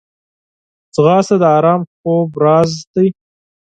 ځغاسته د ارام خوب راز ده